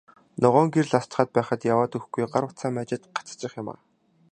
Ногоон гэрэл асчхаад байхад яваад өгөхгүй, гар утсаа маажаад гацчих юм аа.